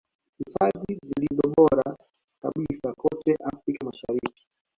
Hifadhi zilizo bora kabisa kote Afrika Mashariki